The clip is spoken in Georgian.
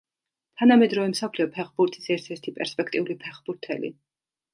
თანამედროვე მსოფლიო ფეხბურთის ერთ-ერთი პერსპექტიული ფეხბურთელი.